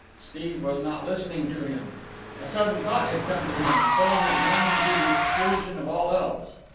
Steve was not listening to him. A sudden thought had come to him, filling his mind to the exclusion of all else.